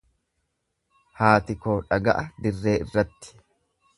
Haati koo dhaga'a dirree irratti.